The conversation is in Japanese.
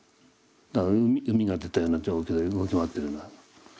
だから膿が出たような状況で動き回ってるような。